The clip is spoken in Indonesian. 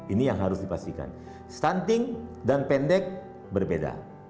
ini yang harus dipastikan stunting dan pendek berbeda